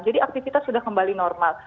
jadi aktivitas sudah kembali normal